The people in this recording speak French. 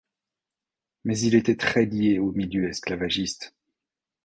Mais il était très lié aux milieux esclavagistes.